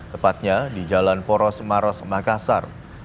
tepatnya di jalan poros maros makassar